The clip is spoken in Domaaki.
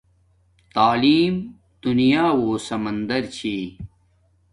تعلیم دُنیا و سمندر چھی